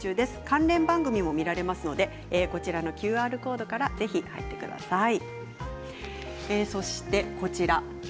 関連番組も見られますのでＱＲコードからぜひ入ってください。